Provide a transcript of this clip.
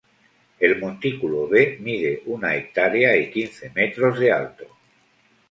El Montículo B mide una hectárea y quince metros de alto.